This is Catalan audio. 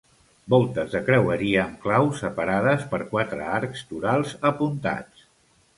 Voltes de creueria, amb clau, separades per quatre arcs torals apuntats.